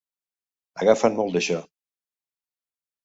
Agafa'n molt d'això.